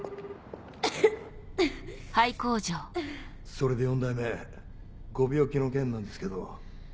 それで四代目ご病気の件なんですけど。